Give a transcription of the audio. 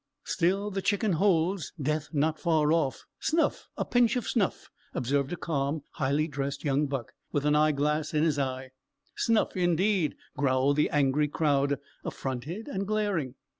Still the Chicken holds; death not far off. "Snuff! a pinch of snuff!" observed a calm, highly dressed young buck, with an eye glass in his eye. "Snuff, indeed!" growled the angry crowd, affronted and glaring.